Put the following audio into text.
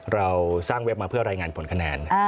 เราสร้างเว็บมาเพื่อรายงานผลคะแนน